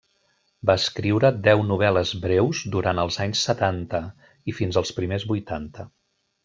Va escriure deu novel·les breus durant els anys setanta i fins als primers vuitanta.